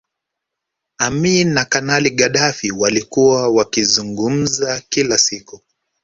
Amin na Kanali Gaddafi walikuwa wakizungumza kila siku